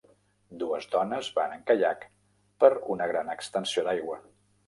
Dues dones van en caiac per una gran extensió d'aigua.